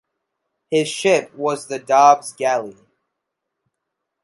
His ship was the "Dobbs Galley".